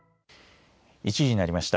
１時になりました。